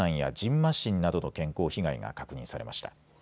ましんなどの健康被害が確認されました。